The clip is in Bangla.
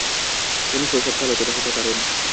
তিনি শৈশবকাল অতিবাহিত করেন।